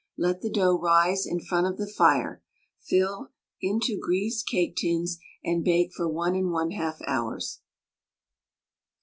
Let the dough rise in front of the fire. Fill into greased cake tins and bake for 1 1/2 hours.